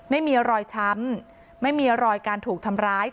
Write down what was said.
ไม่มีรอยช้ำไม่มีรอยการถูกทำร้าย